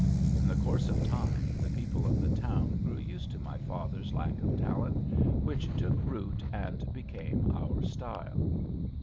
In the course of time the people of the town grew used to my father's lack of talent, which took root and became our style.